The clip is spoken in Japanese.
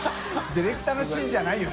ディレクターの指示じゃないよね。